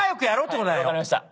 分かりました。